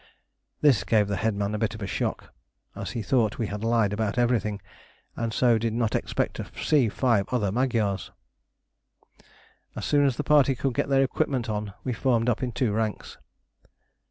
This gave the headman a bit of a shock, as he thought we had lied about everything, and so did not expect to see five other Magyars. As soon as the party could get their equipment on we formed up in two ranks.